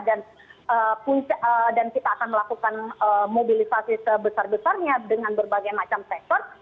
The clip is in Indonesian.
kita akan melakukan mobilisasi sebesar besarnya dengan berbagai macam sektor